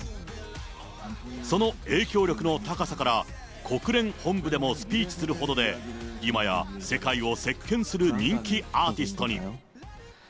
その影響力の高さから、国連本部でもスピーチするほどで、今や世界を席けんする人気アーティストに。